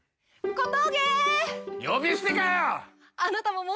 小峠。